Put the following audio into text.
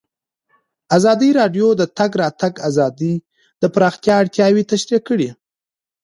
ازادي راډیو د د تګ راتګ ازادي د پراختیا اړتیاوې تشریح کړي.